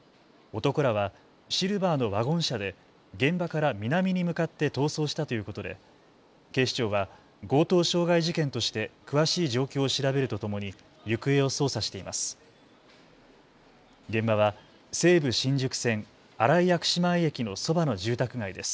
男らはシルバーのワゴン車で現場から南に向かって逃走したということで警視庁は強盗傷害事件として詳しい状況を調べるとともに行方を捜査しています。